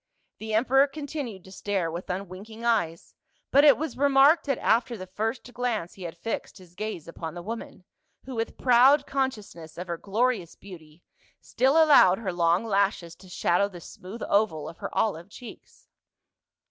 The emperor continued to stare with unwinking eyes, but it was remarked that after the first glance he had fixed his gaze upon the woman, who with proud conscious ness of her glorious beauty still allowed her long 11 162 PA UL. lashes to shadow the smooth oval of her olive cheeks.